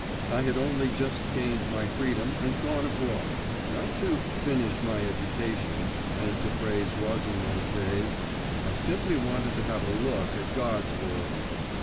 I had only just gained my freedom and gone abroad, not to 'finish my education,' as the phrase was in those days; I simply wanted to have a look at God's world.